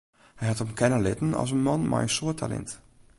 Hy hat him kenne litten as in man mei in soad talint.